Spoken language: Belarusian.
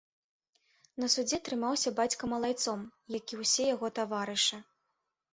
На судзе трымаўся бацька малайцом, як і ўсе яго таварышы.